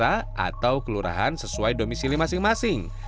atau kelurahan sesuai domisili masing masing